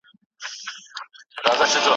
وایم اوس به زېری راسي تور وېښته مي ورته سپین کړل